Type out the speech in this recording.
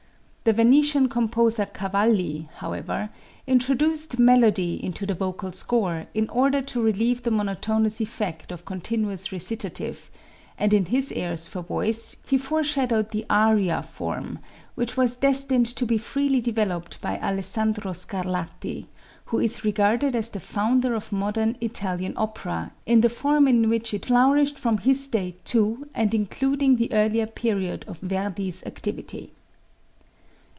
The Venetian composer Cavalli, however, introduced melody into the vocal score in order to relieve the monotonous effect of continuous recitative, and in his airs for voice he foreshadowed the aria form which was destined to be freely developed by Alessandro Scarlatti, who is regarded as the founder of modern Italian opera in the form in which it flourished from his day to and including the earlier period of Verdi's activity.